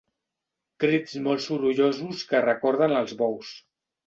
Crits molt sorollosos que recorden els bous.